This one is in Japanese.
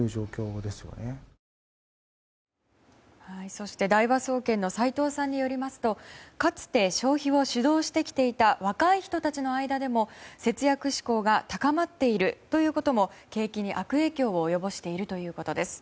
そして、大和総研の齋藤さんによりますとかつて消費を主導してきていた若い人たちの間でも節約志向が高まっているということも景気に悪影響を及ぼしているということです。